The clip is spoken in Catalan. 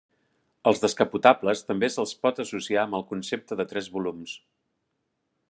Els descapotables també se'ls pot associar amb el concepte de tres volums.